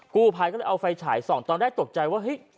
กู้ไภก็เลยเอาไฟฉ่ายซองตอนแรกตกใจว่า